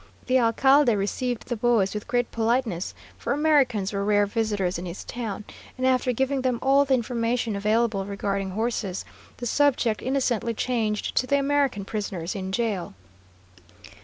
The alcalde received the boys with great politeness, for Americans were rare visitors in his town, and after giving them all the information available regarding horses, the subject innocently changed to the American prisoners in jail.